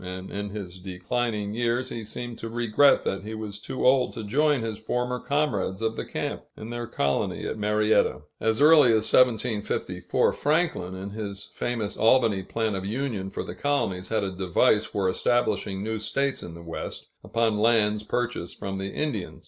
and in his declining years he seemed to regret that he was too old to join his former comrades of the camp, in their colony at Marietta. As early as 1754, Franklin, in his famous Albany Plan of Union for the colonies, had a device for establishing new states in the West, upon lands purchased from the Indians.